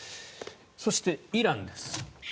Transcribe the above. そして、イランです。